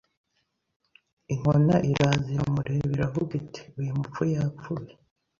Inkona iraza iramureba iravuga iti uyu mupfu yapfuye